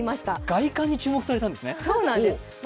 外観に注目されたんですね。